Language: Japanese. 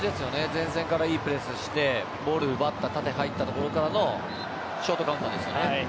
前線からいいプレスしてボール奪った縦、入ったところからのショートカウンターですね。